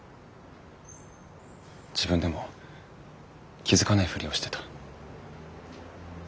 自分でも気付かないふりをしてた。